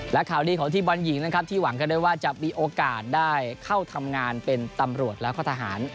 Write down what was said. และข่าวดีของทีมบอลหญิงนะครับที่หวังกันด้วยว่าจะมีโอกาสได้เข้าทำงานเป็นตำรวจแล้วก็ทหาร